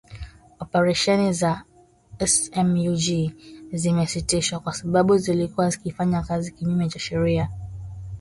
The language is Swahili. Operesheni za SMUG zimesitishwa kwa sababu zilikuwa zikifanya kazi kinyume cha sheria